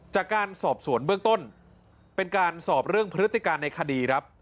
จากการสอบสวนเบื้องต้นเป็นการสอบเรื่องพฤติการในคดีครับ